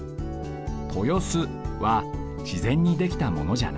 「豊洲」はしぜんにできたものじゃない。